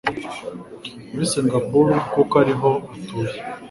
muri Singapour kuko ariho atuye